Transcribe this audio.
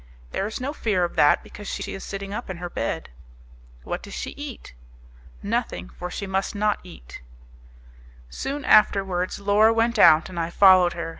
"There is no fear of that, because she is sitting up in her bed." "What does she eat?" "Nothing, for she must not eat." Soon afterwards Laura went out, and I followed her.